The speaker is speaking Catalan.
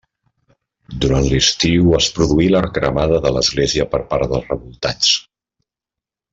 Durant l'estiu es produí la cremada de l'església per part dels revoltats.